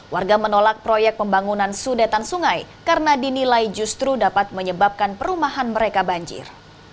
warga menolak proyek pembangunan sudetan sungai karena dinilai justru dapat menyebabkan perumahan mereka banjir